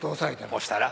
押したら？